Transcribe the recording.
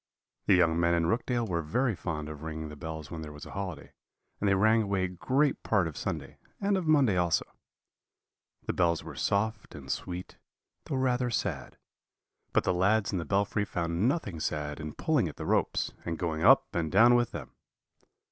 "The young men in Rookdale were very fond of ringing the bells when there was a holiday, and they rang away great part of Sunday and of Monday also. "The bells were soft and sweet, though rather sad; but the lads in the belfry found nothing sad in pulling at the ropes, and going up and down with them.